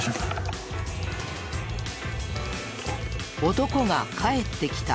男が帰ってきた。